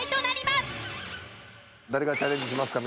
誰がチャレンジしますか？